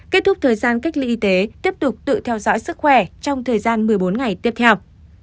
kết thúc thời gian cách ly y tế tiếp tục tự theo dõi sức khỏe trong thời gian một mươi bốn ngày tiếp theo